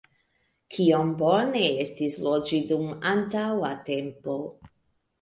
Kiom bone estis loĝi dum antaŭa tempo!